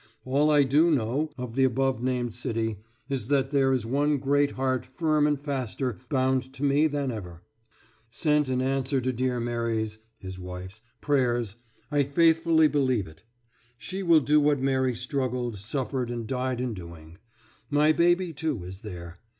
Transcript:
All I do [know] of the above named city is that there is one great heart firm and faster bound to me than ever. Sent in answer to dear Mary's [his wife's] prayers I faithfully believe it. She will do what Mary struggled, suffered, and died in doing. My baby, too, is there.